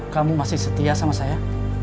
kamu masih setia sama saya